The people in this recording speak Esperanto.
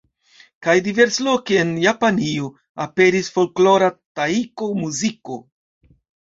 Kaj diversloke en Japanio aperis folklora Taiko-muziko.